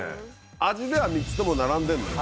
味では３つとも並んでんのよ。